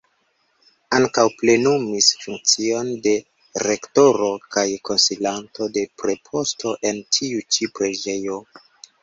Ankaŭ plenumis funkcion de rektoro kaj konsilanto de preposto en tiu ĉi preĝejo.